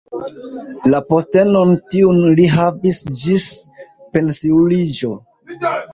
La postenon tiun li havis ĝis pensiuliĝo.